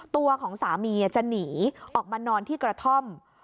ตัวของสามีจะหนีออกมานอนที่กระท่อม